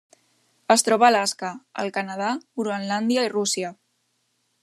Es troba a Alaska, el Canadà, Groenlàndia i Rússia.